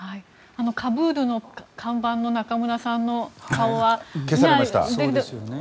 カブールの看板の中村さんの顔は消されましたね。